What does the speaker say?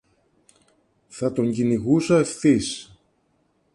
θα τον κυνηγούσα ευθύς